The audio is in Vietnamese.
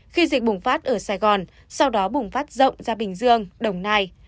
khi dịch bùng phát ở sài gòn sau đó bùng phát rộng ra bình dương đồng nai